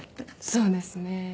そうですね。